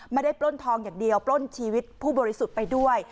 ปล้นทองอย่างเดียวปล้นชีวิตผู้บริสุทธิ์ไปด้วย